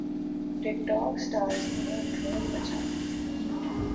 ٹک ٹوک سٹارز نے دھوم مچا دی